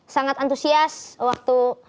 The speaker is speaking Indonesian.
sangat antusias waktu